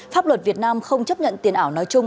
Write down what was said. pháp luật việt nam không chấp nhận tiền ảo nói chung